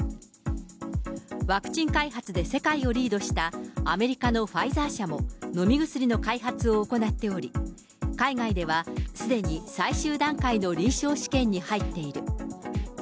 ワクチン開発で世界をリードしたアメリカのファイザー社も飲み薬の開発を行っており、海外ではすでに最終段階の臨床試験に入っている。